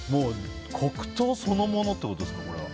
黒糖そのものってことですかこれは。